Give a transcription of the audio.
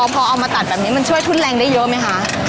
พอเอามาตัดแบบนี้มันช่วยทุนแรงได้เยอะไหมคะ